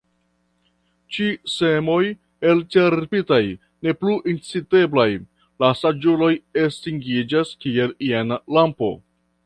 Ĉi semoj elĉerpitaj, ne plu inciteblaj, la saĝuloj estingiĝas kiel jena lampo.